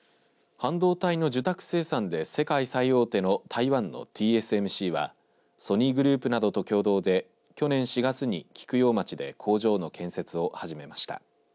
半導体の受託生産で世界最大手の台湾のＴＳＭＣはソニーグループなどと共同で去年４月に菊陽町で工場の建設を始めました。